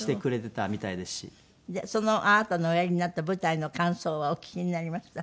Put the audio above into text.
じゃああなたのおやりになった舞台の感想はお聞きになりました？